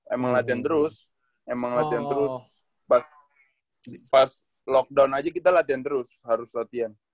emang latihan terus emang latihan terus pas lockdown aja kita latihan terus harus latihan